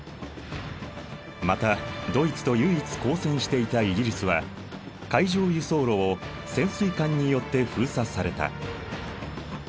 またドイツと唯一抗戦していたイギリスは海上輸送路を潜水艦によって封鎖された。